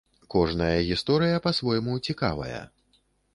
Кожная гісторыя па-свойму цікавая.